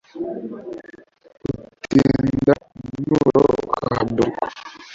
utinda mu nturo ukahamburirwa